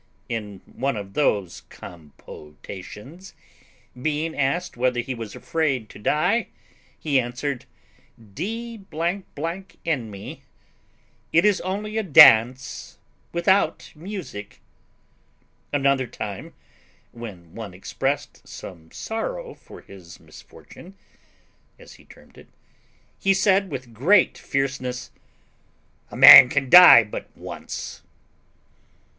In one of these compotations, being asked whether he was afraid to die, he answered, "D n me, it is only a dance without music." Another time, when one expressed some sorrow for his misfortune, as he termed it, he said with great fierceness "A man can die but once."